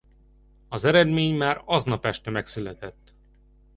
Az eredmény már aznap este megszületett.